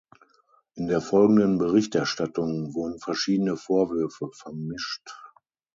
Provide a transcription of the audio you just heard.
In der folgenden Berichterstattung wurden verschiedene Vorwürfe vermischt.